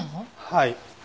はい。